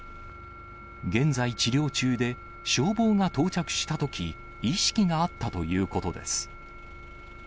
現在、治療中で、消防が到着したとき、意識があったということです。